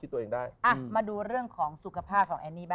เออมาดูเรื่องของสุขภาพแบบนี้